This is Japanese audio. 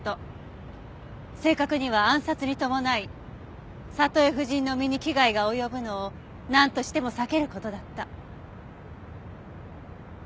正確には暗殺に伴いサトエ夫人の身に危害が及ぶのをなんとしても避ける事だった。